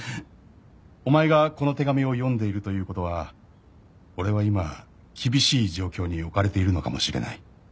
「お前がこの手紙を読んでいるということは俺は今厳しい状況に置かれているのかもしれない」